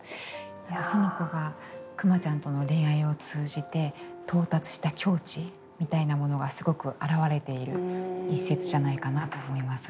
苑子がくまちゃんとの恋愛を通じて到達した境地みたいなものがすごく表れている一節じゃないかなと思います。